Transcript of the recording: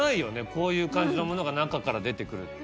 こういう感じのものが中から出てくるって。